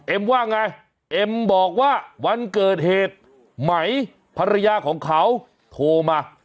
ว่าไงเอ็มบอกว่าวันเกิดเหตุไหมภรรยาของเขาโทรมา